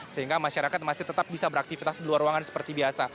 sehingga masyarakat masih tetap bisa beraktivitas di luar ruangan seperti biasa